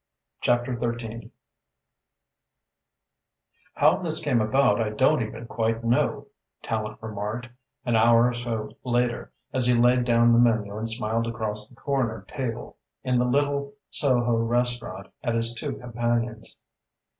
CHAPTER XIII "How this came about I don't even quite know," Tallente remarked, an hour or so later, as he laid down the menu and smiled across the corner table in the little Soho restaurant at his two companions.